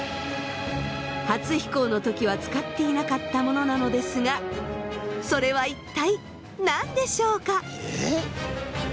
初飛行の時は使っていなかったものなのですがそれは一体何でしょうか？